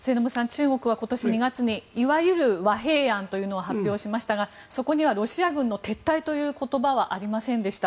中国は今年２月にいわゆる和平案というのを発表しましたがそこには、ロシア軍の撤退という言葉はありませんでした。